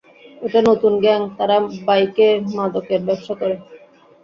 এটা নতুন গ্যাং, তারা বাইকে মাদকের ব্যবসা করে।